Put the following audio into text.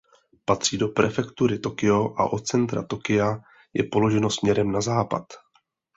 Patří do prefektury Tokio a od centra Tokia je položeno směrem na západ.